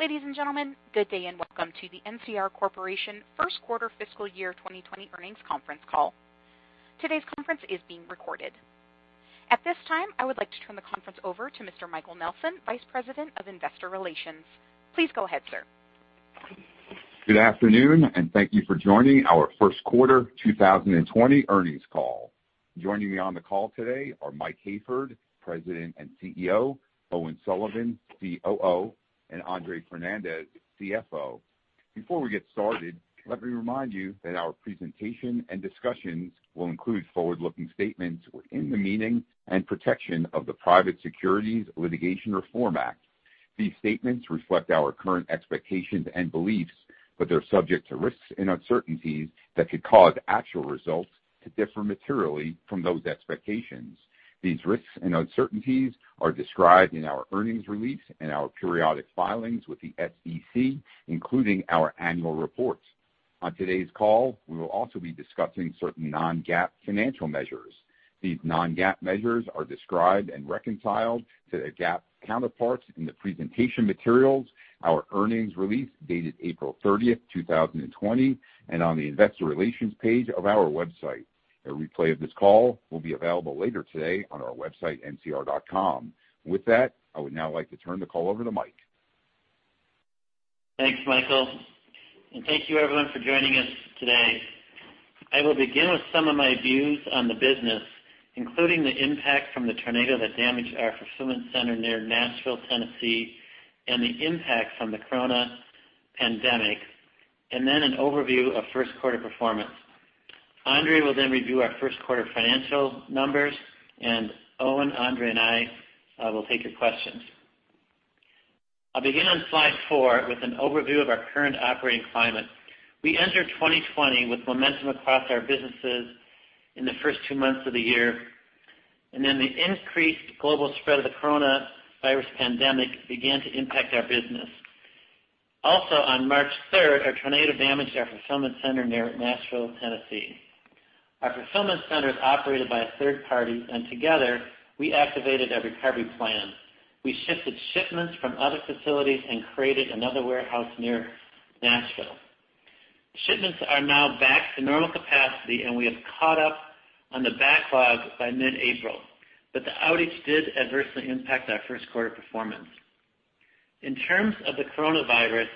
Ladies and gentlemen, good day, and welcome to the NCR Corporation First Quarter Fiscal Year 2020 Earnings Conference Call. Today's conference is being recorded. At this time, I would like to turn the conference over to Mr. Michael Nelson, Vice President of Investor Relations. Please go ahead, sir. Good afternoon, and thank you for joining our first quarter 2020 earnings call. Joining me on the call today are Mike Hayford, President and CEO, Owen Sullivan, COO, and Andre Fernandez, CFO. Before we get started, let me remind you that our presentation and discussions will include forward-looking statements within the meaning and protection of the Private Securities Litigation Reform Act. These statements reflect our current expectations and beliefs, but they're subject to risks and uncertainties that could cause actual results to differ materially from those expectations. These risks and uncertainties are described in our earnings release and our periodic filings with the SEC, including our annual reports. On today's call, we will also be discussing certain non-GAAP financial measures. These non-GAAP measures are described and reconciled to their GAAP counterparts in the presentation materials, our earnings release dated April 30th, 2020, and on the investor relations page of our website. A replay of this call will be available later today on our website, ncr.com. With that, I would now like to turn the call over to Mike. Thanks, Michael Nelson. Thank you, everyone, for joining us today. I will begin with some of my views on the business, including the impact from the tornado that damaged our fulfillment center near Nashville, Tennessee, and the impact from the Corona pandemic, and then an overview of first quarter performance. Andre Fernandez will then review our first quarter financial numbers. Owen Sullivan, Andre Fernandez, and I will take your questions. I'll begin on slide four with an overview of our current operating climate. We entered 2020 with momentum across our businesses in the first two months of the year. The increased global spread of the coronavirus pandemic began to impact our business. Also, on March 3rd, a tornado damaged our fulfillment center near Nashville, Tennessee. Our fulfillment center is operated by a third party. Together, we activated a recovery plan. We shifted shipments from other facilities and created another warehouse near Nashville. Shipments are now back to normal capacity, and we have caught up on the backlog by mid-April. The outage did adversely impact our first quarter performance. In terms of the coronavirus,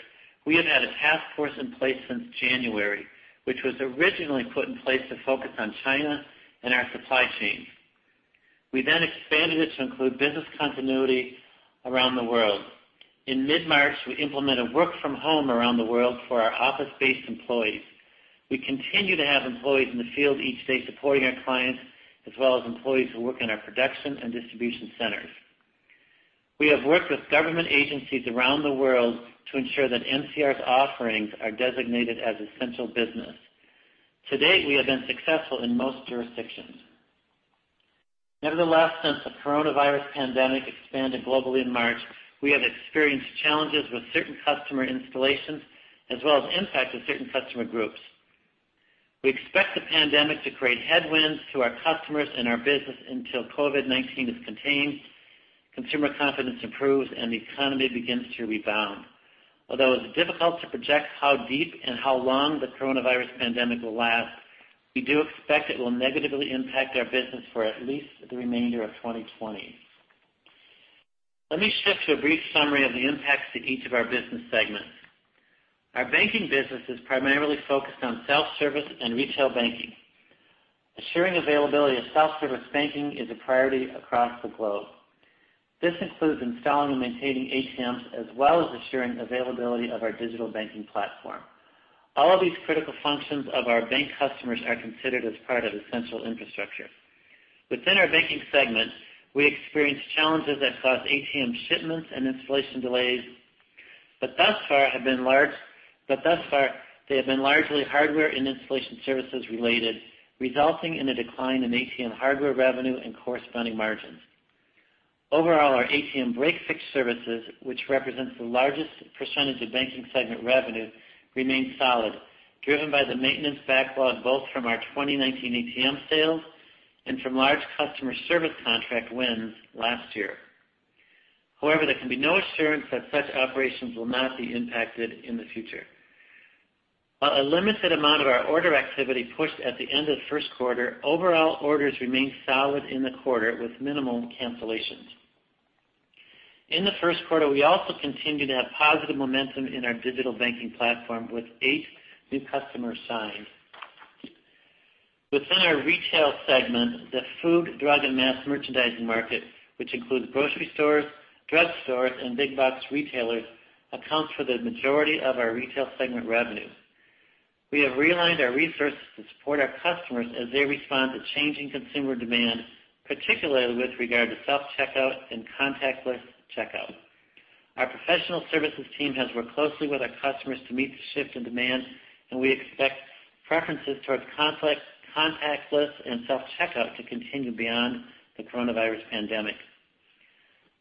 we have had a task force in place since January, which was originally put in place to focus on China and our supply chain. We expanded it to include business continuity around the world. In mid-March, we implemented work from home around the world for our office-based employees. We continue to have employees in the field each day supporting our clients, as well as employees who work in our production and distribution centers. We have worked with government agencies around the world to ensure that NCR's offerings are designated as essential business. To date, we have been successful in most jurisdictions. Nevertheless, since the coronavirus pandemic expanded globally in March, we have experienced challenges with certain customer installations, as well as impacts with certain customer groups. We expect the pandemic to create headwinds to our customers and our business until COVID-19 is contained, consumer confidence improves, and the economy begins to rebound. Although it's difficult to project how deep and how long the coronavirus pandemic will last, we do expect it will negatively impact our business for at least the remainder of 2020. Let me shift to a brief summary of the impacts to each of our business segments. Our banking business is primarily focused on self-service and retail banking. Assuring availability of self-service banking is a priority across the globe. This includes installing and maintaining ATMs as well as assuring availability of our digital banking platform. All of these critical functions of our bank customers are considered as part of essential infrastructure. Within our banking segment, we experienced challenges that caused ATM shipments and installation delays, but thus far, they have been largely hardware and installation services related, resulting in a decline in ATM hardware revenue and corresponding margins. Overall, our ATM break-fix services, which represents the largest percent of banking segment revenue, remained solid, driven by the maintenance backlog both from our 2019 ATM sales and from large customer service contract wins last year. However, there can be no assurance that such operations will not be impacted in the future. While a limited amount of our order activity pushed at the end of first quarter, overall orders remained solid in the quarter with minimal cancellations. In the first quarter, we also continued to have positive momentum in our digital banking platform with eight new customers signed. Within our retail segment, the food, drug, and mass merchandising market, which includes grocery stores, drug stores, and big box retailers, accounts for the majority of our retail segment revenue. We have realigned our resources to support our customers as they respond to changing consumer demand, particularly with regard to self-checkout and contactless checkout. Our professional services team has worked closely with our customers to meet the shift in demand, and we expect preferences towards contactless and self-checkout to continue beyond the coronavirus pandemic.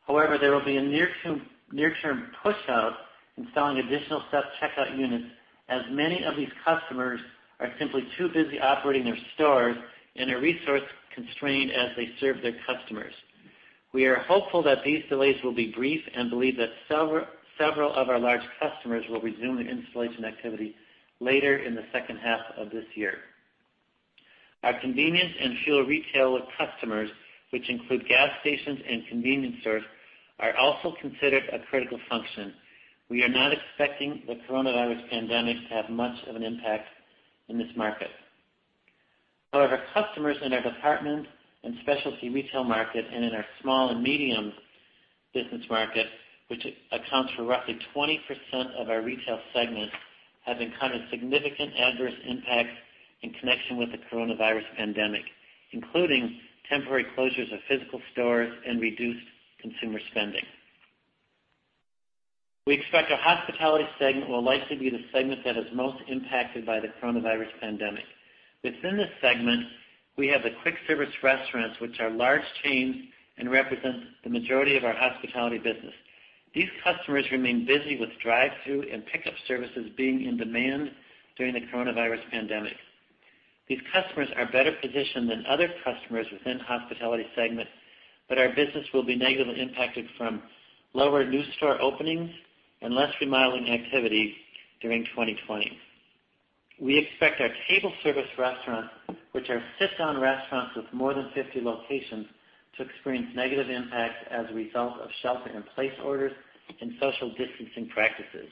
There will be a near-term pushout installing additional self-checkout units, as many of these customers are simply too busy operating their stores and are resource-constrained as they serve their customers. We are hopeful that these delays will be brief and believe that several of our large customers will resume their installation activity later in the second half of this year. Our convenience and fuel retail customers, which include gas stations and convenience stores, are also considered a critical function. We are not expecting the coronavirus pandemic to have much of an impact in this market. However, customers in our department and specialty retail market and in our small and medium business market, which accounts for roughly 20% of our retail segment, have encountered significant adverse impacts in connection with the coronavirus pandemic, including temporary closures of physical stores and reduced consumer spending. We expect our hospitality segment will likely be the segment that is most impacted by the coronavirus pandemic. Within this segment, we have the quick-service restaurants, which are large chains and represent the majority of our hospitality business. These customers remain busy with drive-thru and pickup services being in demand during the coronavirus pandemic. These customers are better positioned than other customers within hospitality segment, but our business will be negatively impacted from lower new store openings and less remodeling activity during 2020. We expect our table service restaurants, which are sit-down restaurants with more than 50 locations, to experience negative impacts as a result of shelter-in-place orders and social distancing practices.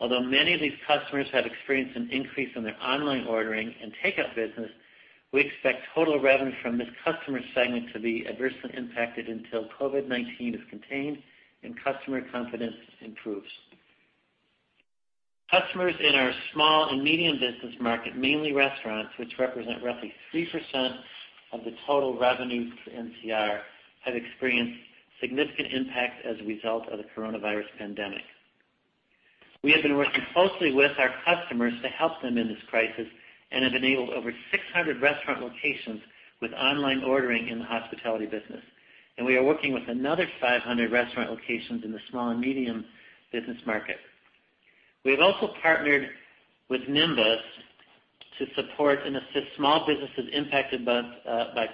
Although many of these customers have experienced an increase in their online ordering and takeout business, we expect total revenue from this customer segment to be adversely impacted until COVID-19 is contained and customer confidence improves. Customers in our small and medium business market, mainly restaurants, which represent roughly 3% of the total revenue for NCR, have experienced significant impact as a result of the coronavirus pandemic. We have been working closely with our customers to help them in this crisis and have enabled over 600 restaurant locations with online ordering in the hospitality business. We are working with another 500 restaurant locations in the small and medium business market. We have also partnered with NYMBUS to support and assist small businesses impacted by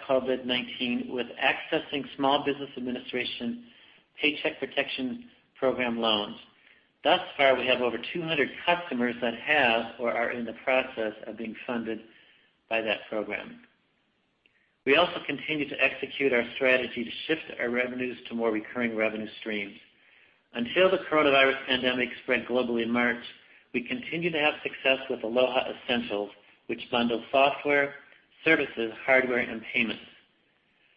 COVID-19 with accessing Small Business Administration Paycheck Protection Program loans. Thus far, we have over 200 customers that have or are in the process of being funded by that program. We also continue to execute our strategy to shift our revenues to more recurring revenue streams. Until the coronavirus pandemic spread globally in March, we continued to have success with Aloha Essentials, which bundles software, services, hardware, and payments.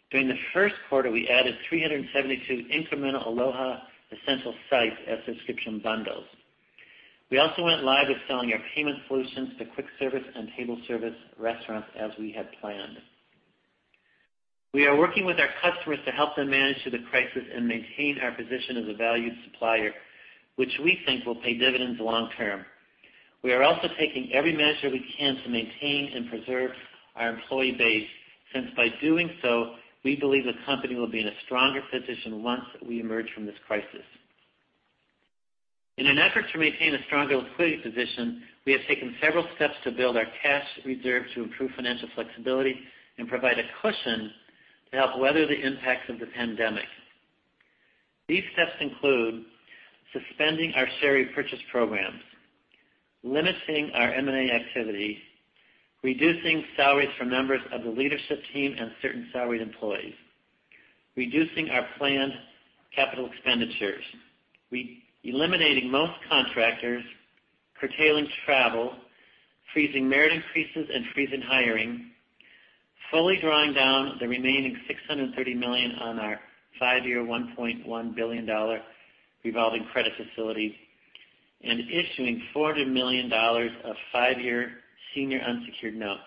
During the first quarter, we added 372 incremental Aloha Essentials sites as subscription bundles. We also went live with selling our payment solutions to quick-service and table-service restaurants as we had planned. We are working with our customers to help them manage through the crisis and maintain our position as a valued supplier, which we think will pay dividends long term. We are also taking every measure we can to maintain and preserve our employee base, since by doing so, we believe the company will be in a stronger position once we emerge from this crisis. In an effort to maintain a stronger liquidity position, we have taken several steps to build our cash reserve to improve financial flexibility and provide a cushion to help weather the impacts of the pandemic. These steps include suspending our share repurchase programs, limiting our M&A activity, reducing salaries for members of the leadership team and certain salaried employees, reducing our planned capital expenditures, eliminating most contractors, curtailing travel, freezing merit increases, and freezing hiring, fully drawing down the remaining $630 million on our 5-year $1.1 billion revolving credit facility, and issuing $400 million of 5-year senior unsecured notes.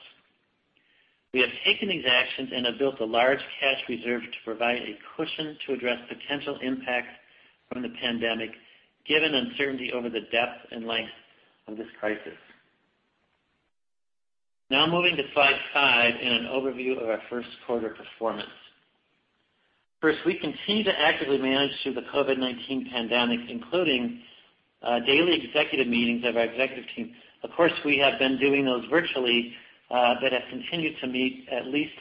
We have taken these actions and have built a large cash reserve to provide a cushion to address potential impacts from the pandemic, given uncertainty over the depth and length of this crisis. Now, moving to slide five and an overview of our first quarter performance. First, we continue to actively manage through the COVID-19 pandemic, including daily executive meetings of our executive team. Of course, we have been doing those virtually, but have continued to meet at least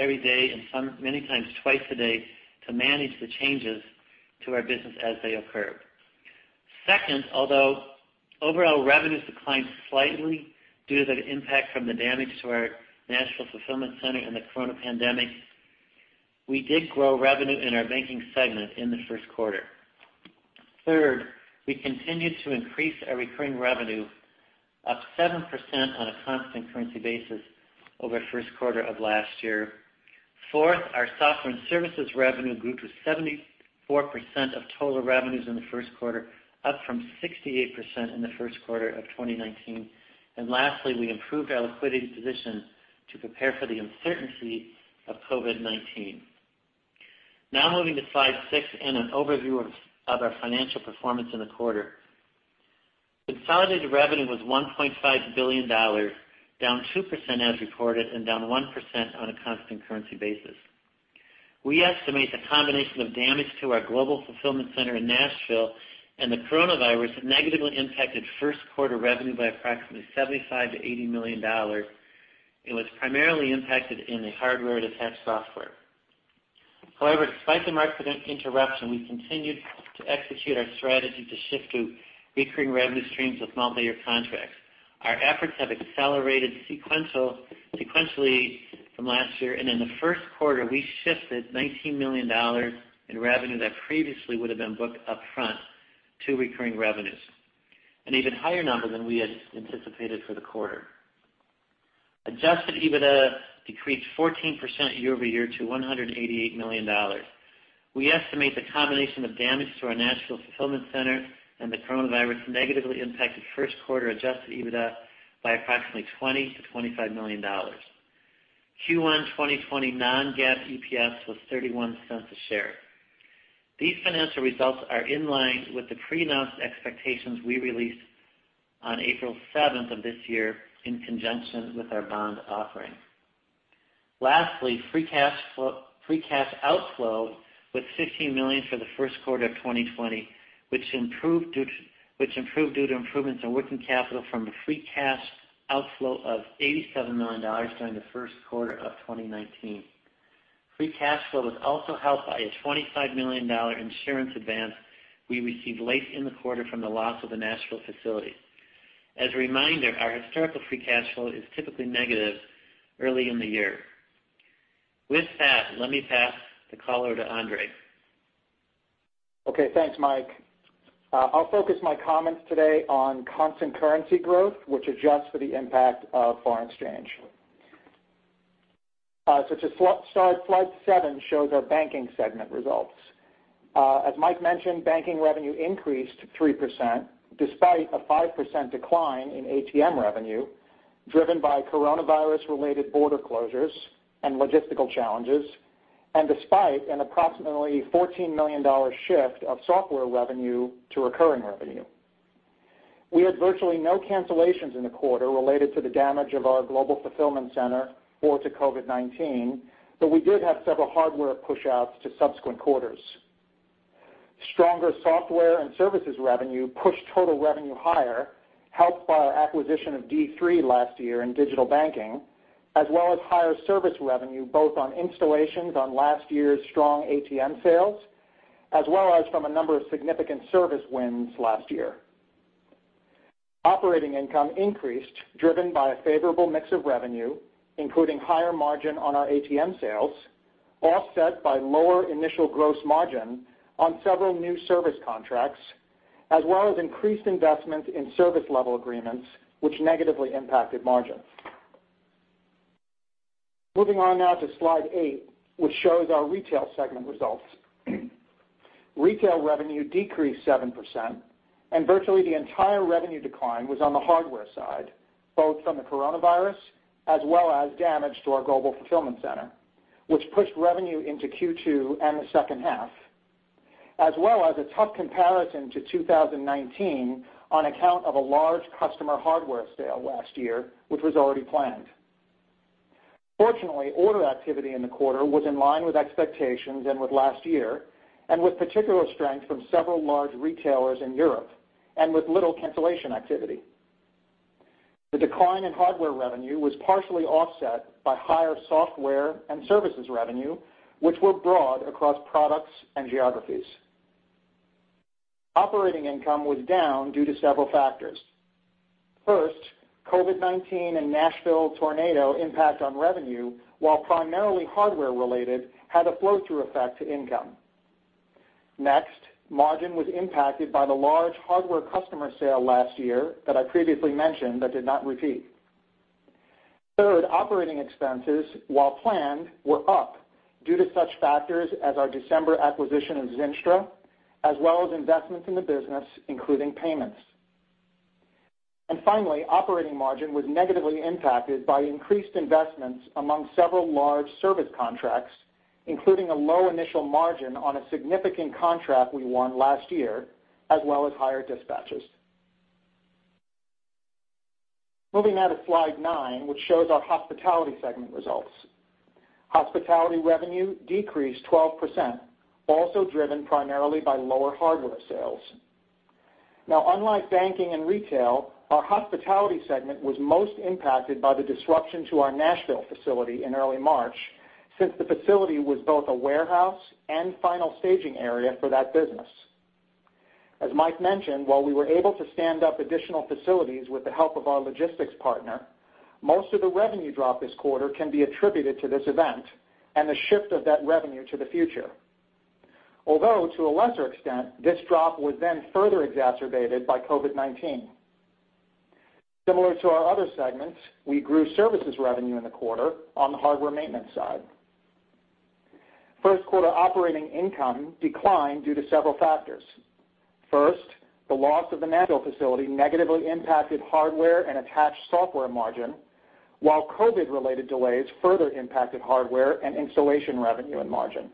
every day, and many times, twice a day, to manage the changes to our business as they occur. Second, although overall revenues declined slightly due to the impact from the damage to our Nashville fulfillment center and the corona pandemic, we did grow revenue in our banking segment in the first quarter. Third, we continued to increase our recurring revenue, up 7% on a constant currency basis over first quarter of last year. Fourth, our software and services revenue grew to 74% of total revenues in the first quarter, up from 68% in the first quarter of 2019. Lastly, we improved our liquidity position to prepare for the uncertainty of COVID-19. Now, moving to slide six and an overview of our financial performance in the quarter. Consolidated revenue was $1.5 billion, down 2% as reported and down 1% on a constant currency basis. We estimate the combination of damage to our global fulfillment center in Nashville and the coronavirus have negatively impacted first quarter revenue by approximately $75 million-$80 million. It was primarily impacted in the hardware-attached software. Despite the market interruption, we continued to execute our strategy to shift to recurring revenue streams with multi-year contracts. Our efforts have accelerated sequentially from last year, and in the first quarter, we shifted $19 million in revenue that previously would have been booked upfront to recurring revenues, an even higher number than we had anticipated for the quarter. Adjusted EBITDA decreased 14% year-over-year to $188 million. We estimate the combination of damage to our Nashville fulfillment center and the coronavirus negatively impacted first quarter adjusted EBITDA by approximately $20 million to $25 million. Q1 2020 non-GAAP EPS was $0.31 a share. These financial results are in line with the pre-announced expectations we released on April 7 of this year in conjunction with our bond offering. Free cash outflow was $15 million for the first quarter of 2020, which improved due to improvements in working capital from a free cash outflow of $87 million during the first quarter of 2019. Free cash flow was also helped by a $25 million insurance advance we received late in the quarter from the loss of the Nashville facility. As a reminder, our historical free cash flow is typically negative early in the year. Let me pass the call over to Andre. Okay. Thanks, Mike. I'll focus my comments today on constant currency growth, which adjusts for the impact of foreign exchange. To start, slide seven shows our banking segment results. As Mike mentioned, banking revenue increased 3%, despite a 5% decline in ATM revenue driven by coronavirus-related border closures and logistical challenges, and despite an approximately $14 million shift of software revenue to recurring revenue. We had virtually no cancellations in the quarter related to the damage of our global fulfillment center or to COVID-19, but we did have several hardware pushouts to subsequent quarters. Stronger software and services revenue pushed total revenue higher, helped by our acquisition of D3 last year in digital banking, as well as higher service revenue both on installations on last year's strong ATM sales, as well as from a number of significant service wins last year. Operating income increased, driven by a favorable mix of revenue, including higher margin on our ATM sales, offset by lower initial gross margin on several new service contracts, as well as increased investments in service level agreements, which negatively impacted margin. Moving on now to slide eight, which shows our retail segment results. Retail revenue decreased 7%, and virtually the entire revenue decline was on the hardware side, both from the coronavirus as well as damage to our global fulfillment center, which pushed revenue into Q2 and the second half, as well as a tough comparison to 2019 on account of a large customer hardware sale last year, which was already planned. Fortunately, order activity in the quarter was in line with expectations and with last year, and with particular strength from several large retailers in Europe and with little cancellation activity. The decline in hardware revenue was partially offset by higher software and services revenue, which were broad across products and geographies. Operating income was down due to several factors. First, COVID-19 and Nashville tornado impact on revenue, while primarily hardware-related, had a flow-through effect to income. Next, margin was impacted by the large hardware customer sale last year that I previously mentioned that did not repeat. Third, operating expenses, while planned, were up due to such factors as our December acquisition of Zynstra, as well as investments in the business, including payments. Finally, operating margin was negatively impacted by increased investments among several large service contracts, including a low initial margin on a significant contract we won last year, as well as higher dispatches. Moving now to slide nine, which shows our hospitality segment results. Hospitality revenue decreased 12%, also driven primarily by lower hardware sales. Now, unlike banking and retail, our hospitality segment was most impacted by the disruption to our Nashville facility in early March since the facility was both a warehouse and final staging area for that business. As Mike mentioned, while we were able to stand up additional facilities with the help of our logistics partner, most of the revenue drop this quarter can be attributed to this event and the shift of that revenue to the future. Although, to a lesser extent, this drop was then further exacerbated by COVID-19. Similar to our other segments, we grew services revenue in the quarter on the hardware maintenance side. First quarter operating income declined due to several factors. The loss of the Nashville facility negatively impacted hardware and attached software margin, while COVID-related delays further impacted hardware and installation revenue and margin.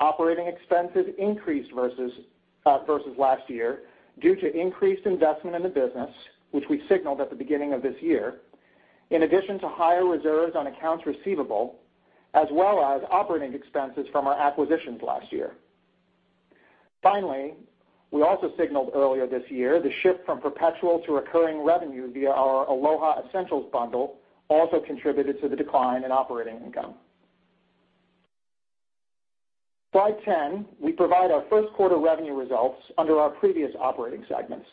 Operating expenses increased versus last year due to increased investment in the business, which we signaled at the beginning of this year, in addition to higher reserves on accounts receivable, as well as operating expenses from our acquisitions last year. We also signaled earlier this year, the shift from perpetual to recurring revenue via our Aloha Essentials bundle, also contributed to the decline in operating income. Slide 10, we provide our first quarter revenue results under our previous operating segments.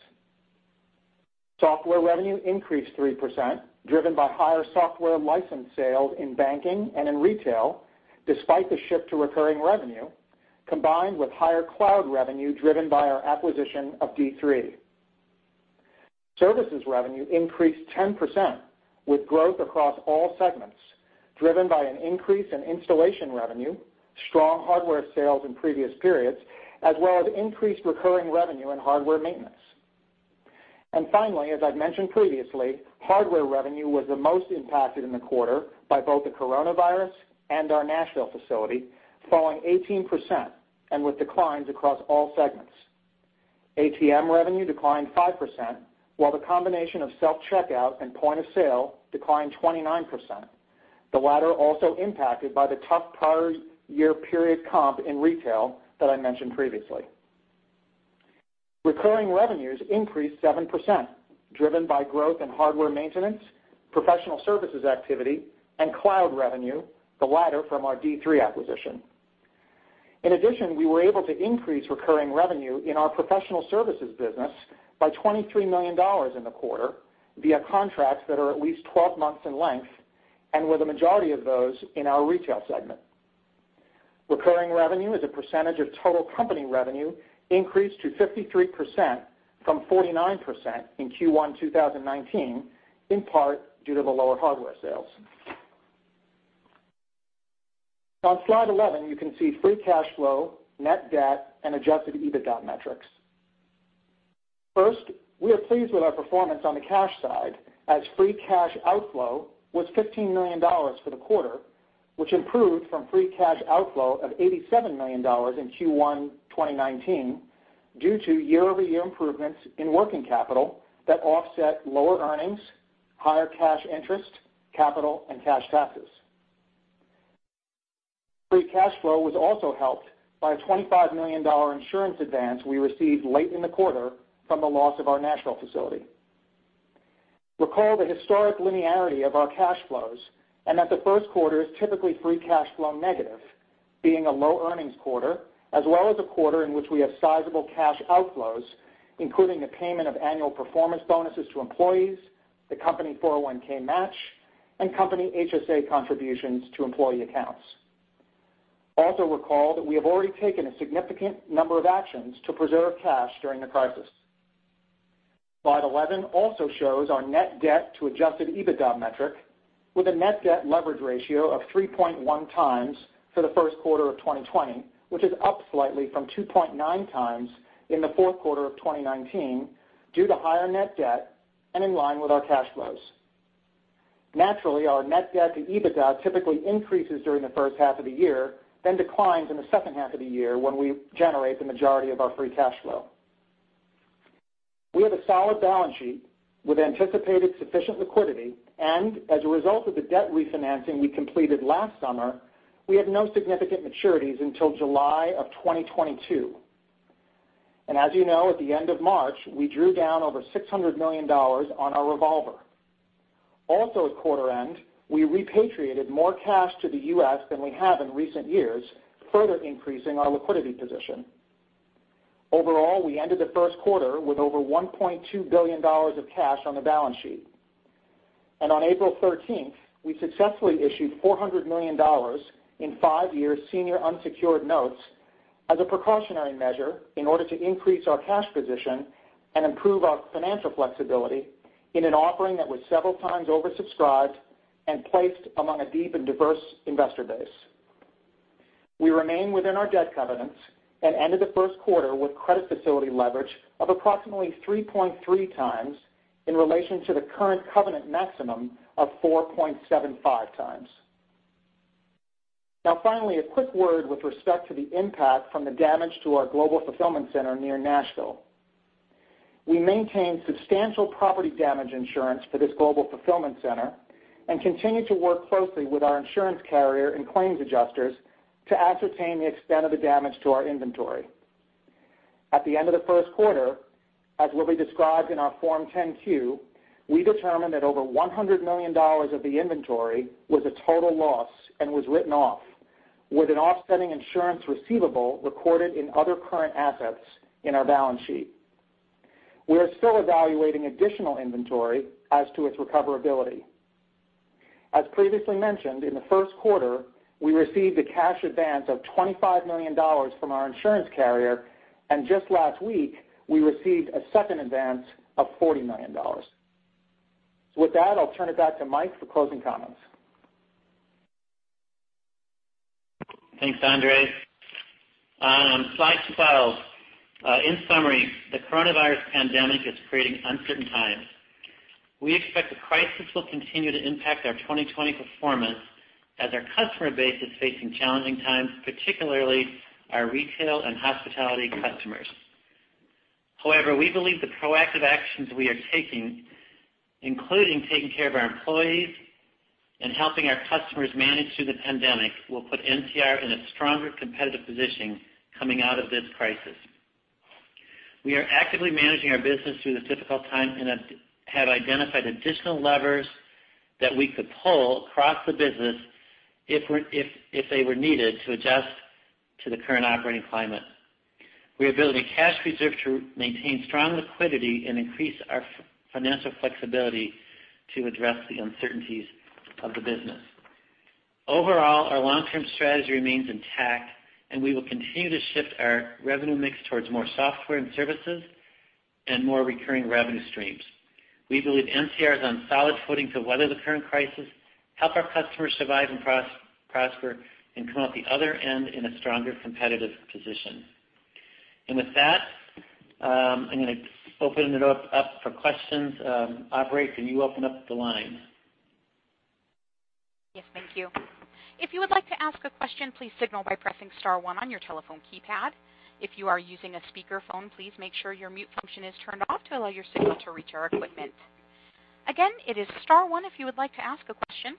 Software revenue increased 3%, driven by higher software license sales in banking and in retail, despite the shift to recurring revenue, combined with higher cloud revenue driven by our acquisition of D3. Services revenue increased 10%, with growth across all segments, driven by an increase in installation revenue, strong hardware sales in previous periods, as well as increased recurring revenue and hardware maintenance. Finally, as I've mentioned previously, hardware revenue was the most impacted in the quarter by both the coronavirus and our Nashville facility, falling 18% and with declines across all segments. ATM revenue declined 5%, while the combination of self-checkout and point-of-sale declined 29%. The latter also impacted by the tough prior year period comp in retail that I mentioned previously. Recurring revenues increased 7%, driven by growth in hardware maintenance, professional services activity, and cloud revenue, the latter from our D3 acquisition. In addition, we were able to increase recurring revenue in our professional services business by $23 million in the quarter via contracts that are at least 12 months in length and with the majority of those in our retail segment. Recurring revenue as a percentage of total company revenue increased to 53% from 49% in Q1 2019, in part due to the lower hardware sales. On slide 11, you can see free cash flow, net debt, and adjusted EBITDA metrics. First, we are pleased with our performance on the cash side, as free cash outflow was $15 million for the quarter, which improved from free cash outflow of $87 million in Q1 2019 due to year-over-year improvements in working capital that offset lower earnings, higher cash interest, capital, and cash taxes. Free cash flow was also helped by a $25 million insurance advance we received late in the quarter from the loss of our Nashville facility. Recall the historic linearity of our cash flows and that the first quarter is typically free cash flow-negative, being a low earnings quarter, as well as a quarter in which we have sizable cash outflows, including the payment of annual performance bonuses to employees, the company 401(k) match, and company HSA contributions to employee accounts. Also recall that we have already taken a significant number of actions to preserve cash during the crisis. Slide 11 also shows our net debt to adjusted EBITDA metric with a net debt leverage ratio of 3.1 times for the first quarter of 2020, which is up slightly from 2.9 times in the fourth quarter of 2019 due to higher net debt and in line with our cash flows. Naturally, our net debt to EBITDA typically increases during the first half of the year, then declines in the second half of the year when we generate the majority of our free cash flow. We have a solid balance sheet with anticipated sufficient liquidity, as a result of the debt refinancing we completed last summer, we have no significant maturities until July of 2022. As you know, at the end of March, we drew down over $600 million on our revolver. Also at quarter end, we repatriated more cash to the U.S. than we have in recent years, further increasing our liquidity position. Overall, we ended the first quarter with over $1.2 billion of cash on the balance sheet. On April 13th, we successfully issued $400 million in five-year senior unsecured notes as a precautionary measure in order to increase our cash position and improve our financial flexibility in an offering that was several times oversubscribed and placed among a deep and diverse investor base. We remain within our debt covenants and ended the first quarter with credit facility leverage of approximately 3.3 times in relation to the current covenant maximum of 4.75 times. Finally, a quick word with respect to the impact from the damage to our global fulfillment center near Nashville. We maintain substantial property damage insurance for this global fulfillment center and continue to work closely with our insurance carrier and claims adjusters to ascertain the extent of the damage to our inventory. At the end of the first quarter, as will be described in our Form 10-Q, we determined that over $100 million of the inventory was a total loss and was written off, with an offsetting insurance receivable recorded in other current assets in our balance sheet. We are still evaluating additional inventory as to its recoverability. As previously mentioned, in the first quarter, we received a cash advance of $25 million from our insurance carrier, and just last week, we received a second advance of $40 million. With that, I'll turn it back to Mike for closing comments. Thanks, Andre. Slide 12. In summary, the coronavirus pandemic is creating uncertain times. We expect the crisis will continue to impact our 2020 performance as our customer base is facing challenging times, particularly our retail and hospitality customers. We believe the proactive actions we are taking, including taking care of our employees and helping our customers manage through the pandemic, will put NCR in a stronger competitive position coming out of this crisis. We are actively managing our business through this difficult time and have identified additional levers that we could pull across the business if they were needed to adjust to the current operating climate. We are building a cash reserve to maintain strong liquidity and increase our financial flexibility to address the uncertainties of the business. Overall, our long-term strategy remains intact, and we will continue to shift our revenue mix towards more software and services and more recurring revenue streams. We believe NCR is on solid footing to weather the current crisis, help our customers survive and prosper, and come out the other end in a stronger competitive position. With that, I'm going to open it up for questions. Operator, can you open up the line? Yes. Thank you. If you would like to ask a question, please signal by pressing star one on your telephone keypad. If you are using a speakerphone, please make sure your mute function is turned off to allow your signal to reach our equipment. Again, it is star one if you would like to ask a question,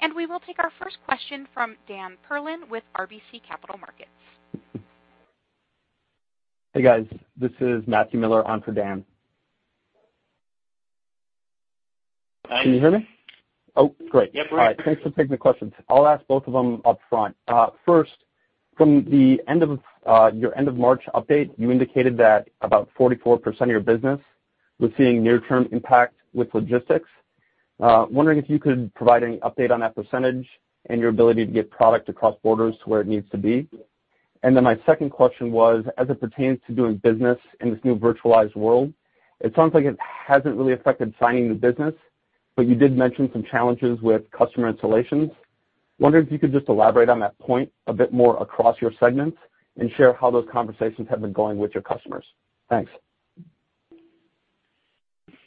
and we will take our first question from Dan Perlin with RBC Capital Markets. Hey, guys. This is Matt Miller on for Dan. Hi. Can you hear me? Oh, great. Yep. We're here. All right. Thanks for taking the questions. I'll ask both of them upfront. First, from your end of March update, you indicated that about 44% of your business was seeing near-term impact with logistics. Wondering if you could provide an update on that percentage and your ability to get product across borders to where it needs to be. My second question was, as it pertains to doing business in this new virtualized world, it sounds like it hasn't really affected signing new business, but you did mention some challenges with customer installations. Wondering if you could just elaborate on that point a bit more across your segments and share how those conversations have been going with your customers. Thanks.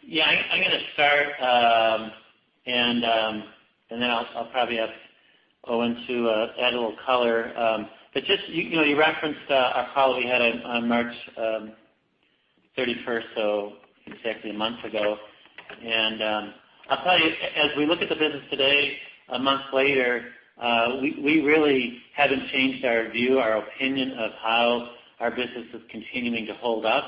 Yeah. I'm going to start, and then I'll probably have Owen to add a little color. You referenced our call that we had on March 31st, so exactly a month ago. I'll tell you, as we look at the business today, a month later, we really haven't changed our view, our opinion of how our business is continuing to hold up,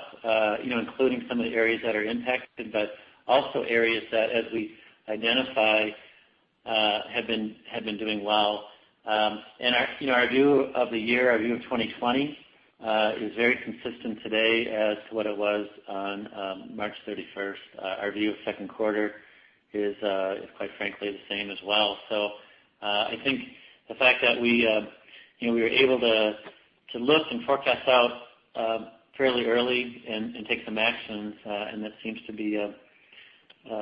including some of the areas that are impacted, but also areas that, as we identify, have been doing well. Our view of the year, our view of 2020, is very consistent today as to what it was on March 31st. Our view of second quarter is, quite frankly, the same as well. I think the fact that we were able to look and forecast out fairly early and take some actions, and that seems to be,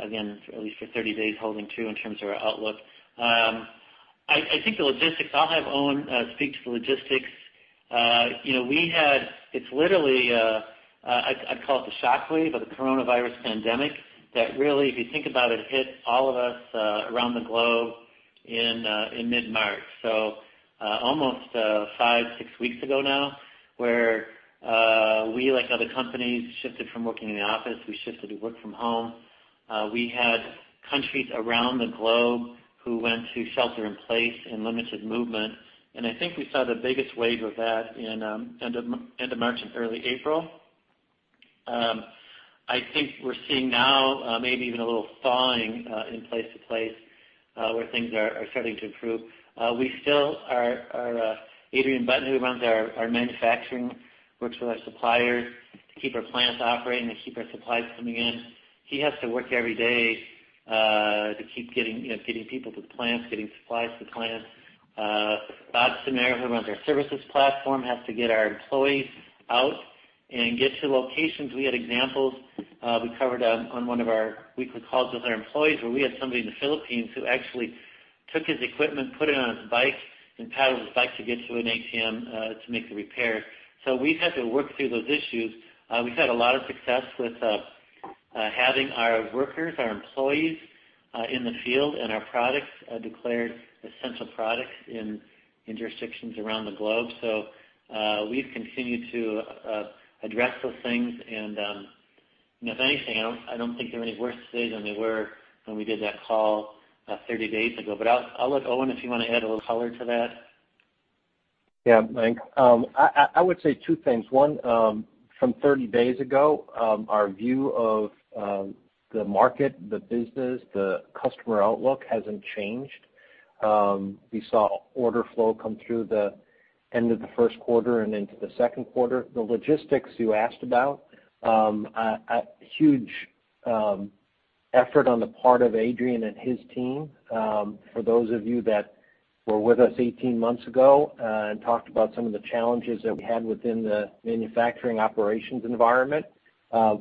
again, at least for 30 days, holding true in terms of our outlook. I think the logistics, I'll have Owen speak to the logistics. It's literally, I'd call it the shockwave of the coronavirus pandemic, that really, if you think about, it hit all of us around the globe in mid-March, so almost five, six weeks ago now, where we, like other companies, shifted from working in the office. We shifted to work from home. We had countries around the globe who went to shelter in place and limited movement, and I think we saw the biggest wave of that in end of March and early April. I think we're seeing now maybe even a little thawing in place to place, where things are starting to improve. Adrian Button, who runs our manufacturing, works with our suppliers to keep our plants operating, to keep our supplies coming in. He has to work every day to keep getting people to the plants, getting supplies to the plants. Bob Ciminera, who runs our services platform, has to get our employees out and get to locations. We had examples we covered on one of our weekly calls with our employees, where we had somebody in the Philippines who actually took his equipment, put it on his bike, and paddled his bike to get to an ATM to make a repair. We've had to work through those issues. We've had a lot of success with having our workers, our employees in the field, and our products declared essential products in jurisdictions around the globe. We've continued to address those things, and if anything, I don't think they're any worse today than they were when we did that call 30 days ago. I'll let Owen, if you want to add a little color to that. Yeah, Mike. I would say two things. One, from 30 days ago, our view of the market, the business, the customer outlook hasn't changed. We saw order flow come through the end of the first quarter and into the second quarter. The logistics you asked about, a huge effort on the part of Adrian and his team. For those of you that were with us 18 months ago and talked about some of the challenges that we had within the manufacturing operations environment,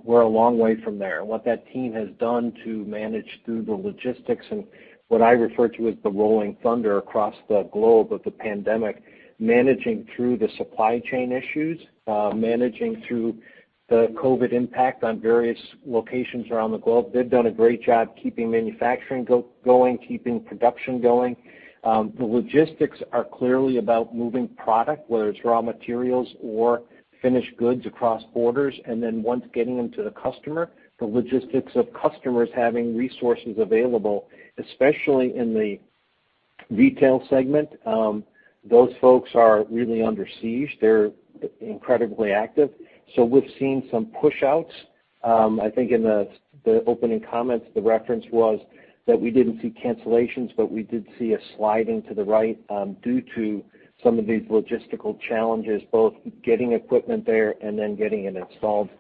we're a long way from there. What that team has done to manage through the logistics and what I refer to as the rolling thunder across the globe of the pandemic, managing through the supply chain issues, managing through the COVID impact on various locations around the globe. They've done a great job keeping manufacturing going, keeping production going. The logistics are clearly about moving product, whether it's raw materials or finished goods across borders. Once getting them to the customer, the logistics of customers having resources available, especially in the retail segment. Those folks are really under siege. They're incredibly active. We've seen some push-outs. I think in the opening comments, the reference was that we didn't see cancellations, but we did see a sliding to the right due to some of these logistical challenges, both getting equipment there and then getting it installed.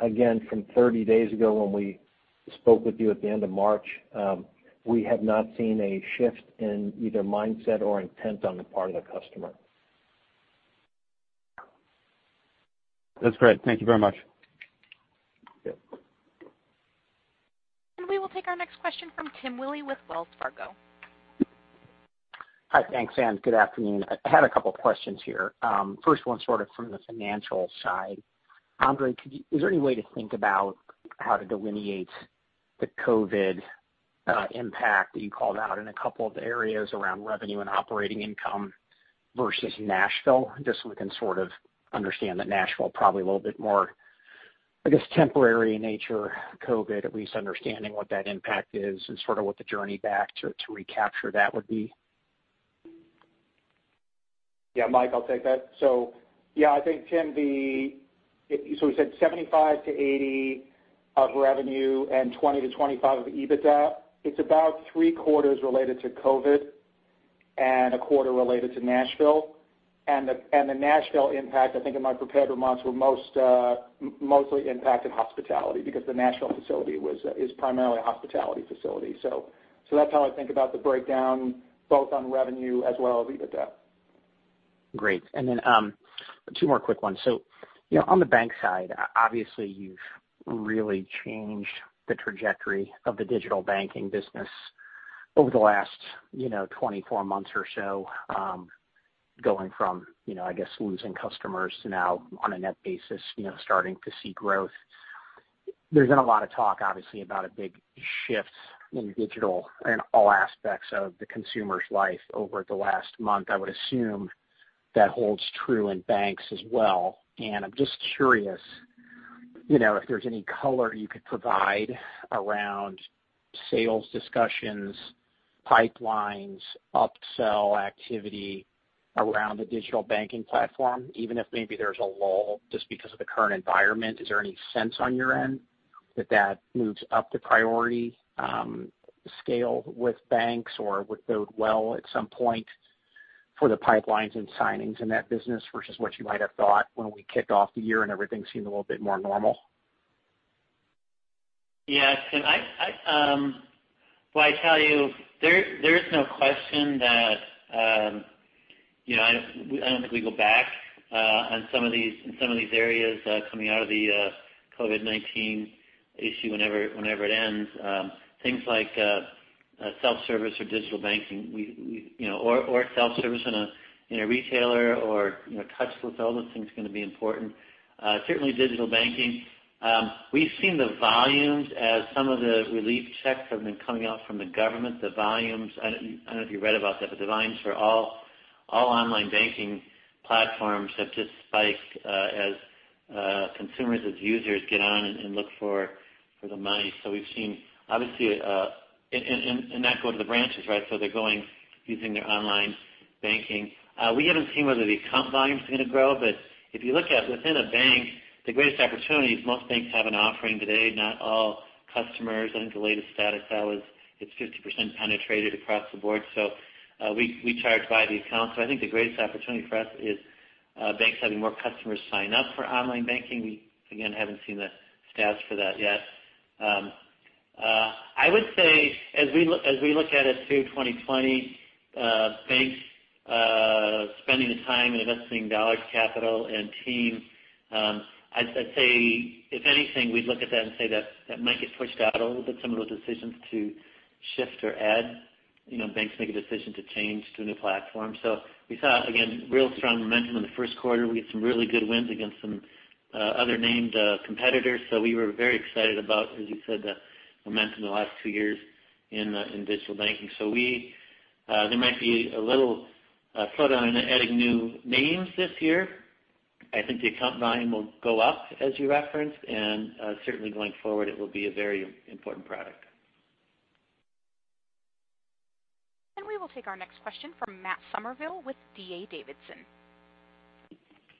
Again, from 30 days ago when we spoke with you at the end of March, we have not seen a shift in either mindset or intent on the part of the customer. That's great. Thank you very much. Yeah. We will take our next question from Tim Willi with Wells Fargo. Hi, thanks. Good afternoon. I had a couple questions here. First one sort of from the financial side. Andre, is there any way to think about how to delineate the COVID impact that you called out in a couple of the areas around revenue and operating income versus Nashville? We can sort of understand that Nashville probably a little bit more, I guess, temporary in nature of COVID, at least understanding what that impact is and sort of what the journey back to recapture that would be. Mike, I'll take that. I think Tim, we said $75-$80 of revenue and $20-$25 of EBITDA. It's about three quarters related to COVID and a quarter related to Nashville. The Nashville impact, I think in my prepared remarks, were mostly impacted hospitality because the Nashville facility is primarily a hospitality facility. That's how I think about the breakdown, both on revenue as well as EBITDA. Great. Two more quick ones. On the bank side, obviously you've really changed the trajectory of the digital banking business over the last 24 months or so. Going from, I guess, losing customers to now on a net basis starting to see growth. There's been a lot of talk, obviously, about a big shift in digital in all aspects of the consumer's life over the last month. I would assume that holds true in banks as well. I'm just curious, if there's any color you could provide around sales discussions, pipelines, upsell activity around the digital banking platform, even if maybe there's a lull just because of the current environment. Is there any sense on your end that moves up the priority scale with banks or with those well at some point for the pipelines and signings in that business versus what you might have thought when we kicked off the year and everything seemed a little bit more normal? Yes. Well, I tell you, there is no question that I don't think we go back in some of these areas coming out of the COVID-19 issue whenever it ends. Things like self-service or digital banking, or self-service in a retailer or touchless, all those things are going to be important. Certainly digital banking. We've seen the volumes as some of the relief checks have been coming out from the government. I don't know if you read about that, the volumes for all online banking platforms have just spiked as consumers, as users get on and look for the money. We've seen, obviously, and not go to the branches, right? They're going using their online banking. We haven't seen whether the account volume's going to grow, if you look at within a bank, the greatest opportunity is most banks have an offering today, not all customers. I think the latest status that was, it's 50% penetrated across the board. We charge by the account. I think the greatest opportunity for us is banks having more customers sign up for online banking. We, again, haven't seen the stats for that yet. I would say as we look at it through 2020, banks spending the time and investing dollars, capital, and team. I'd say if anything, we'd look at that and say that might get pushed out a little bit, some of those decisions to shift or add. Banks make a decision to change to a new platform. We saw, again, real strong momentum in the first quarter. We had some really good wins against some other named competitors. We were very excited about, as you said, the momentum the last two years in digital banking. There might be a little slowdown in adding new names this year. I think the account volume will go up as you referenced, and certainly going forward, it will be a very important product. We will take our next question from Matt Summerville with D.A. Davidson.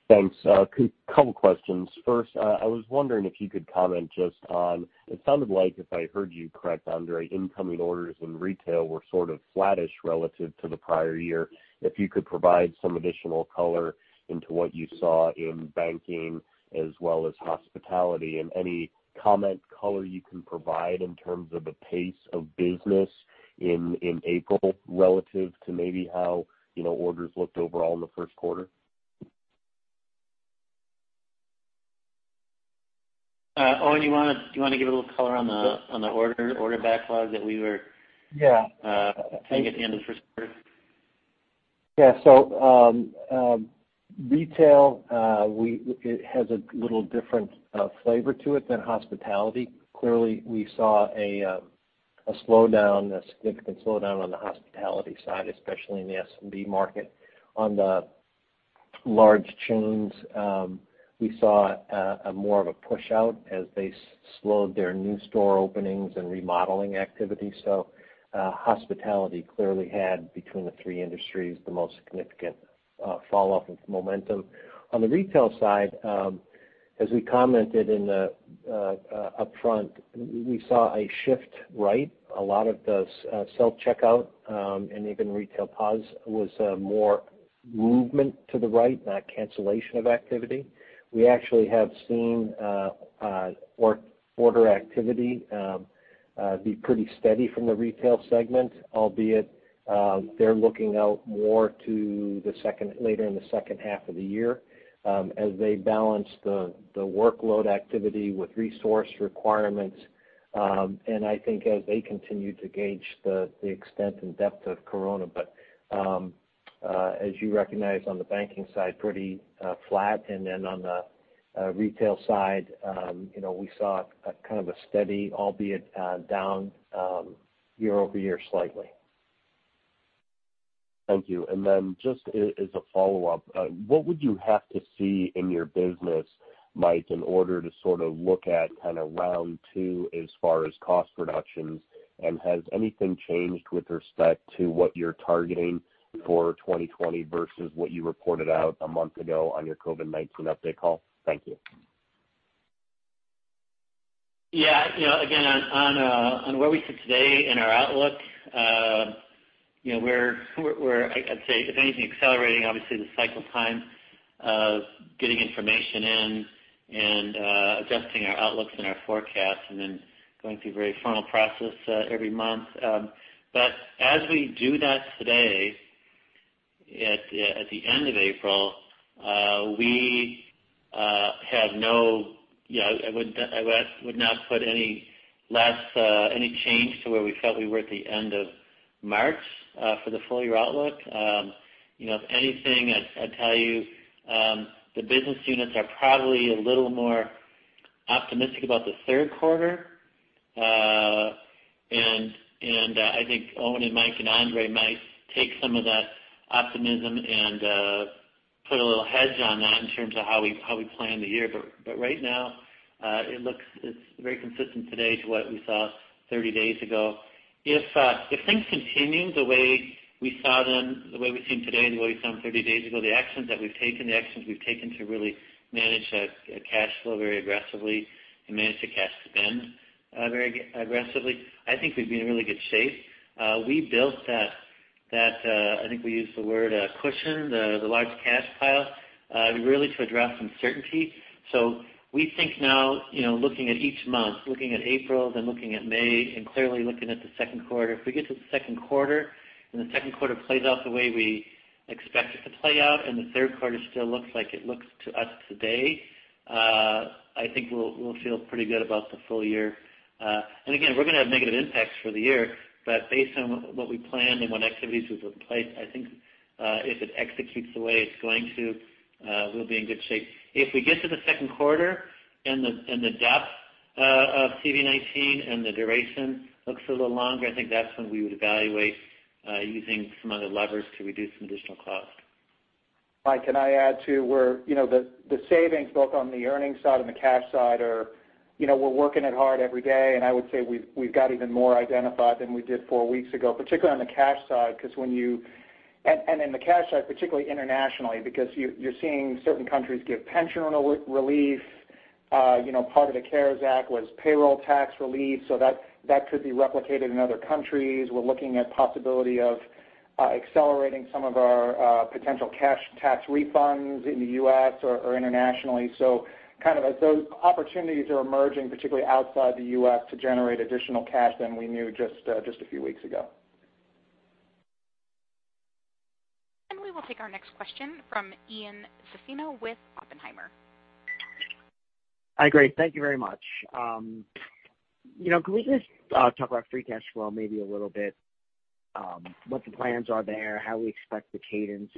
Thanks. A couple questions. First, I was wondering if you could comment just on, it sounded like, if I heard you correct, Andre, incoming orders in retail were sort of flattish relative to the prior year. If you could provide some additional color into what you saw in banking as well as hospitality, and any comment color you can provide in terms of the pace of business in April relative to maybe how orders looked overall in the first quarter. Owen, do you want to give a little color on the order backlog? Yeah. -taking at the end of the first quarter? Retail, it has a little different flavor to it than hospitality. Clearly, we saw a significant slowdown on the hospitality side, especially in the SMB market. On the large chains, we saw more of a push-out as they slowed their new store openings and remodeling activity. Hospitality clearly had, between the three industries, the most significant falloff of momentum. On the retail side, as we commented upfront, we saw a shift right. A lot of the self-checkout, and even retail POS, was more movement to the right, not cancellation of activity. We actually have seen order activity be pretty steady from the retail segment, albeit they're looking out more to later in the second half of the year as they balance the workload activity with resource requirements, and I think as they continue to gauge the extent and depth of Corona. As you recognize on the banking side, pretty flat, and then on the retail side we saw kind of a steady, albeit down year-over-year slightly. Thank you. Just as a follow-up, what would you have to see in your business, Mike, in order to sort of look at kind of round 2 as far as cost reductions? Has anything changed with respect to what you're targeting for 2020 versus what you reported out a month ago on your COVID-19 update call? Thank you. Again, on where we sit today in our outlook, we're, I'd say if anything, accelerating, obviously, the cycle time of getting information in and adjusting our outlooks and our forecasts and then going through a very formal process every month. As we do that today, at the end of April, I would not put any change to where we felt we were at the end of March for the full-year outlook. If anything, I'd tell you the business units are probably a little more optimistic about the third quarter. I think Owen and Mike and Andre might take some of that optimism and put a little hedge on that in terms of how we plan the year. Right now, it's very consistent today to what we saw 30 days ago. If things continue the way we've seen today and the way we've seen 30 days ago, the actions that we've taken, the actions we've taken to really manage that cash flow very aggressively and manage the cash spend very aggressively, I think we'd be in really good shape. We built that, I think we used the word cushion, the large cash pile, really to address some certainty. We think now, looking at each month, looking at April, then looking at May, and clearly looking at the second quarter, if we get to the second quarter and the second quarter plays out the way we expect it to play out and the third quarter still looks like it looks to us today, I think we'll feel pretty good about the full year. Again, we're going to have negative impacts for the year, but based on what we planned and what activities we've put in place, I think if it executes the way it's going to, we'll be in good shape. If we get to the second quarter and the depth of COVID-19 and the duration looks a little longer, I think that's when we would evaluate using some other levers to reduce some additional cost. Mike, can I add, too, the savings both on the earnings side and the cash side are, we're working it hard every day, and I would say we've got even more identified than we did four weeks ago, particularly on the cash side. In the cash side, particularly internationally, because you're seeing certain countries give pension relief. Part of the CARES Act was payroll tax relief, that could be replicated in other countries. We're looking at possibility of accelerating some of our potential cash tax refunds in the U.S. or internationally. Kind of as those opportunities are emerging, particularly outside the U.S., to generate additional cash than we knew just a few weeks ago. We will take our next question from Ian Zaffino with Oppenheimer. Hi, great. Thank you very much. Can we just talk about free cash flow maybe a little bit? What the plans are there, how we expect the cadence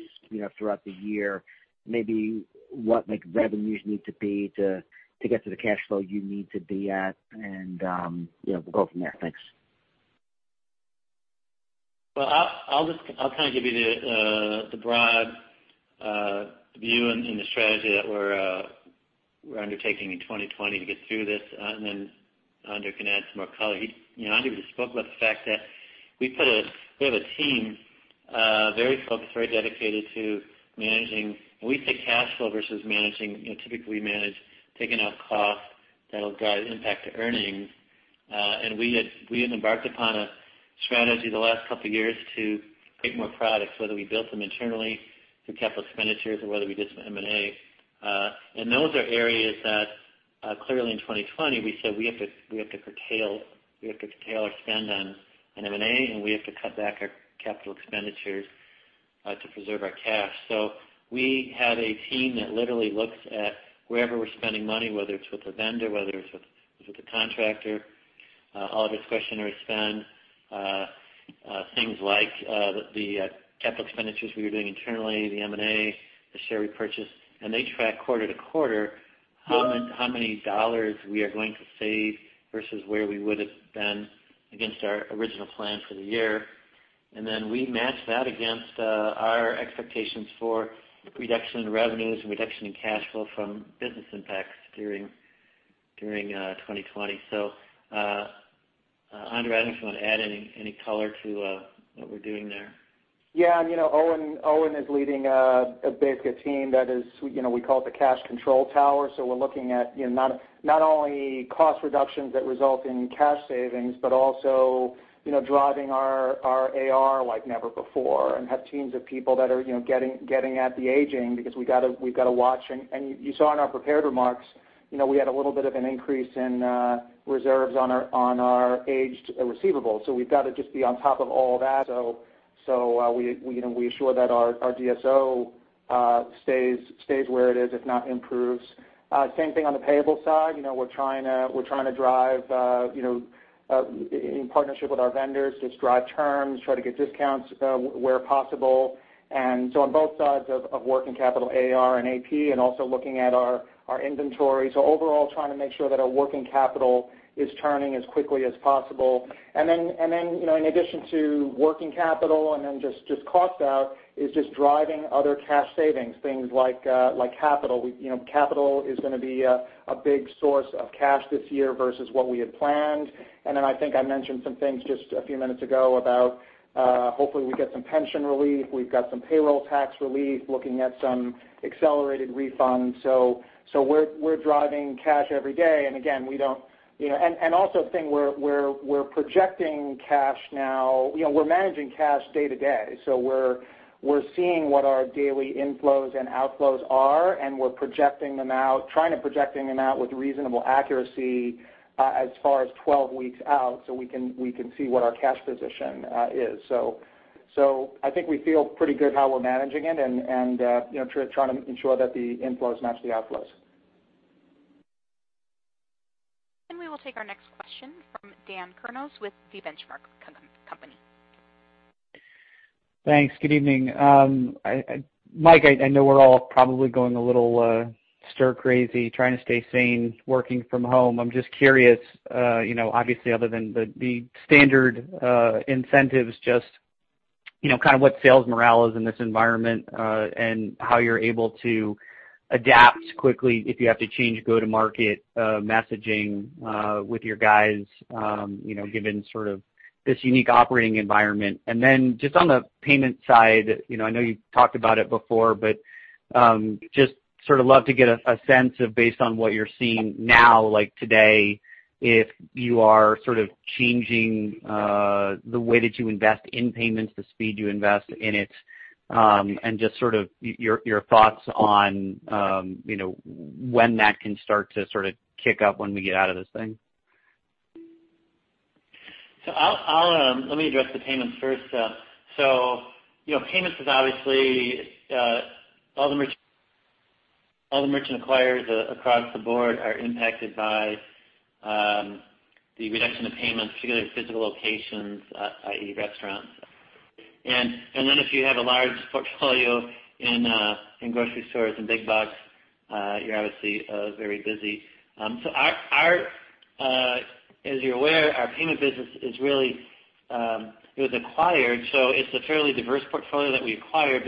throughout the year, maybe what revenues need to be to get to the cash flow you need to be at, and we'll go from there? Thanks. I'll kind of give you the broad view and the strategy that We're undertaking in 2020 to get through this, and then Andre can add some more color. Andre just spoke about the fact that we have a team, very focused, very dedicated to managing, and we say cash flow versus managing. Typically, we manage taking out costs that'll guide impact to earnings. We had embarked upon a strategy the last couple of years to create more products, whether we built them internally through capital expenditures or whether we did some M&A. Those are areas that, clearly in 2020, we said we have to curtail our spend on M&A, and we have to cut back our capital expenditures to preserve our cash. We have a team that literally looks at wherever we're spending money, whether it's with a vendor, whether it's with a contractor, all of its discretionary spend. Things like the capital expenditures we were doing internally, the M&A, the share repurchase, and they track quarter to quarter how many dollars we are going to save versus where we would've been against our original plan for the year. Then we match that against our expectations for reduction in revenues and reduction in cash flow from business impacts during 2020. Andre, I don't know if you want to add any color to what we're doing there. Yeah. Owen is leading basically a team that we call it the cash control tower. We're looking at not only cost reductions that result in cash savings, but also driving our AR like never before and have teams of people that are getting at the aging because we've got to watch. You saw in our prepared remarks, we had a little bit of an increase in reserves on our aged receivables. We've got to just be on top of all that. We ensure that our DSO stays where it is, if not improves. Same thing on the payable side. We're trying to drive in partnership with our vendors, just drive terms, try to get discounts where possible. On both sides of working capital, AR and AP, and also looking at our inventory. Overall, trying to make sure that our working capital is turning as quickly as possible. In addition to working capital and cost out, is driving other cash savings, things like capital. Capital is going to be a big source of cash this year versus what we had planned. I think I mentioned some things just a few minutes ago about hopefully we get some pension relief. We've got some payroll tax relief, looking at some accelerated refunds. We're driving cash every day. We're projecting cash now. We're managing cash day to day. We're seeing what our daily inflows and outflows are, and we're projecting them out, projecting them out with reasonable accuracy as far as 12 weeks out so we can see what our cash position is. I think we feel pretty good how we're managing it and trying to ensure that the inflows match the outflows. We will take our next question from Dan Kurnos with The Benchmark Company. Thanks. Good evening. Mike, I know we're all probably going a little stir crazy trying to stay sane working from home. I'm just curious, obviously other than the standard incentives, just what sales morale is in this environment, and how you're able to adapt quickly if you have to change go-to-market messaging with your guys given this unique operating environment. Just on the payment side, I know you've talked about it before, but just love to get a sense of based on what you're seeing now, like today, if you are changing the way that you invest in payments, the speed you invest in it, and just your thoughts on when that can start to kick up when we get out of this thing. Let me address the payments first. Payments is obviously all the merchant acquirers across the board are impacted by the reduction of payments, particularly physical locations, i.e. restaurants. If you have a large portfolio in grocery stores and big box, you're obviously very busy. As you're aware, our payment business was acquired. It's a fairly diverse portfolio that we acquired.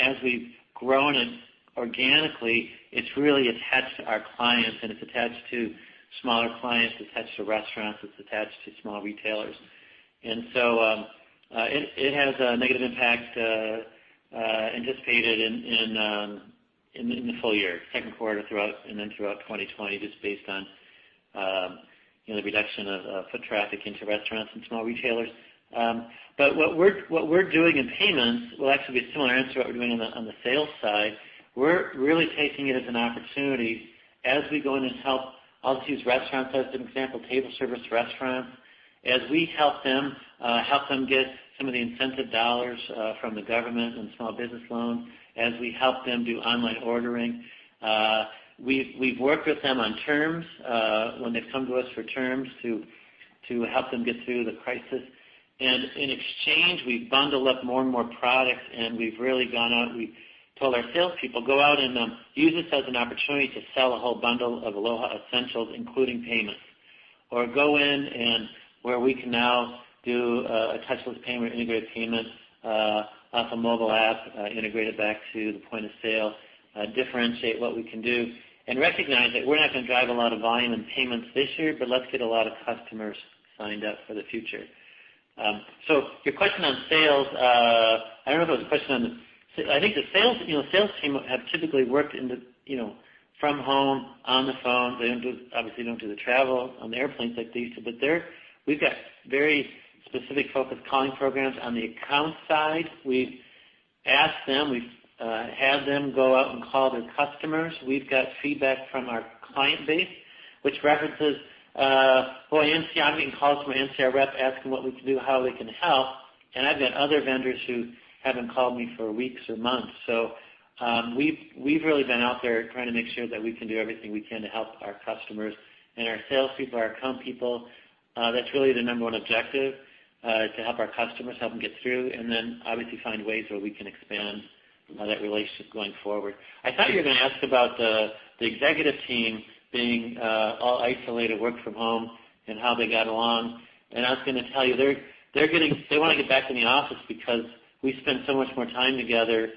As we've grown it organically, it's really attached to our clients, and it's attached to smaller clients. It's attached to restaurants. It's attached to small retailers. It has a negative impact anticipated in the full year, second quarter and then throughout 2020, just based on the reduction of foot traffic into restaurants and small retailers. What we're doing in payments will actually be a similar answer to what we're doing on the sales side. We're really taking it as an opportunity as we go in and help. I'll just use restaurants as an example, table service restaurants. As we help them get some of the incentive dollars from the government and small business loans, as we help them do online ordering. We've worked with them on terms when they've come to us for terms to help them get through the crisis. In exchange, we bundle up more and more products, and we've really gone out. We told our salespeople, "Go out and use this as an opportunity to sell a whole bundle of Aloha Essentials, including payments." Go in and where we can now do a touchless payment, integrated payment off a mobile app integrated back to the point of sale, differentiate what we can do, and recognize that we're not going to drive a lot of volume and payments this year, but let's get a lot of customers signed up for the future. Your question on sales, I don't know if it was a question on. I think the sales team have typically worked from home, on the phone. They obviously don't do the travel on airplanes like they used to. We've got very specific focused calling programs on the account side. We've asked them, we've had them go out and call their customers. We've got feedback from our client base, which references, "Boy, I'm getting calls from my NCR rep asking what we can do, how they can help, and I've got other vendors who haven't called me for weeks or months." We've really been out there trying to make sure that we can do everything we can to help our customers and our salespeople, our account people. That's really the number one objective, to help our customers, help them get through, and then obviously find ways where we can expand that relationship going forward. I thought you were going to ask about the executive team being all isolated, work from home, and how they got along. I was going to tell you, they want to get back in the office because we spend so much more time together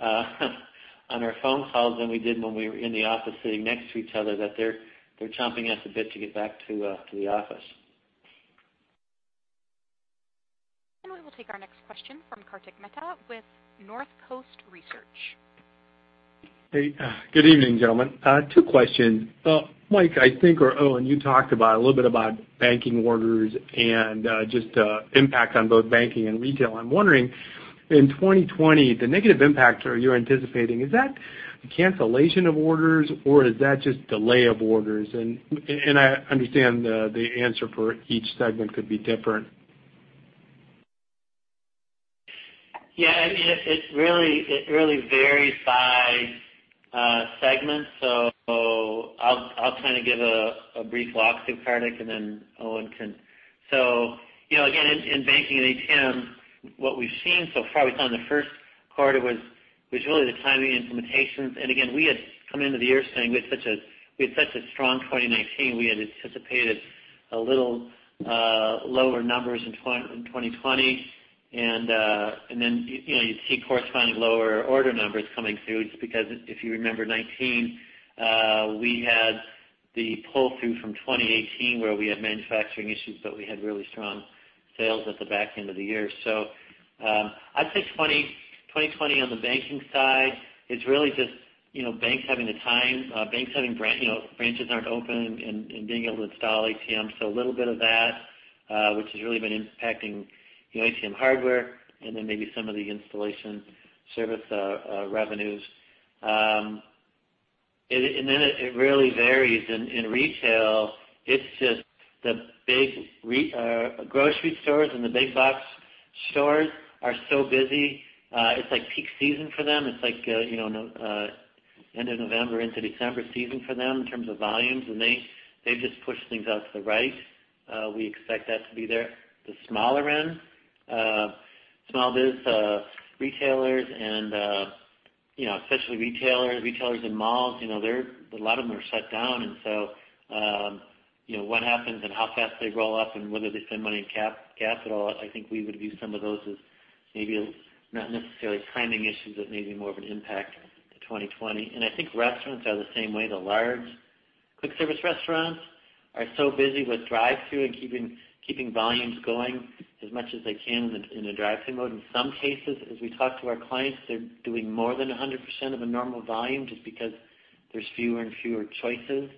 on our phone calls than we did when we were in the office sitting next to each other, that they're chomping at the bit to get back to the office. We will take our next question from Kartik Mehta with Northcoast Research. Hey, good evening, gentlemen. Two questions. Mike, I think, or Owen, you talked a little bit about banking orders and just impact on both banking and retail. I'm wondering, in 2020, the negative impact you're anticipating, is that cancellation of orders or is that just delay of orders? I understand the answer for each segment could be different. Yeah, it really varies by segment. I'll kind of give a brief walk through, Kartik, and then Owen can. Again, in banking and ATM, what we've seen so far, we found the first quarter was really the timing implementations. Again, we had come into the year saying we had such a strong 2019, we had anticipated a little lower numbers in 2020. You'd see corresponding lower order numbers coming through, just because if you remember 2019, we had the pull-through from 2018 where we had manufacturing issues, but we had really strong sales at the back end of the year. I'd say 2020 on the banking side, it's really just banks having the time, branches aren't open and being able to install ATMs. A little bit of that which has really been impacting ATM hardware and then maybe some of the installation service revenues. It really varies. In retail, it's just the big grocery stores and the big box stores are so busy. It's like peak season for them. It's like end of November into December season for them in terms of volumes, and they've just pushed things out to the right. We expect that to be there. The smaller end, small biz retailers and especially retailers in malls, a lot of them are shut down. What happens and how fast they roll up and whether they spend money in CapEx at all, I think we would view some of those as maybe not necessarily timing issues, but maybe more of an impact to 2020. I think restaurants are the same way. The large quick service restaurants are so busy with drive-through and keeping volumes going as much as they can in a drive-through mode. In some cases, as we talk to our clients, they're doing more than 100% of a normal volume just because there's fewer and fewer choices